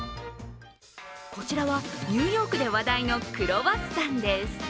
こちらは、ニューヨークで話題のクロワッサンです。